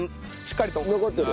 残ってる？